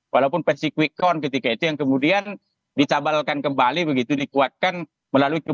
walaupun persik quick count ketika itu yang kemudian dicabalkan kembali begitu dikuatkan melalui